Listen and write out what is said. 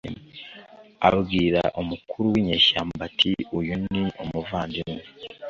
Abwira umukuru w inyeshyamba ati uyu ni umuvandimwe